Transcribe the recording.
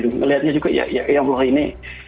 ngelihatnya juga yang boleh ini